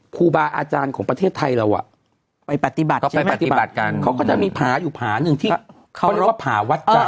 เขาไปปฏิบัติกันเขาก็จะมีผาอยู่ผาหนึ่งที่เขาเรียกว่าผาวัดจัง